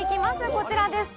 こちらです